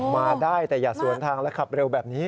มาได้แต่อย่าสวนทางและขับเร็วแบบนี้